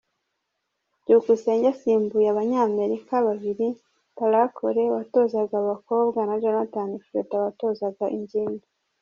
Byukusenge asimbuye Abanyamerika babiri Tarah Cole watozaga abakobwa na Jonathan Freter watozaga ingimbi.